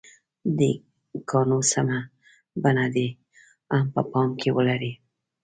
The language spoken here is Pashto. د ی ګانو سمه بڼه دې هم په پام کې ولري.